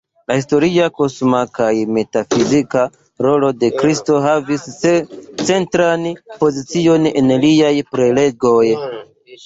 La historia, kosma kaj metafizika rolo de Kristo havis centran pozicion en liaj prelegoj.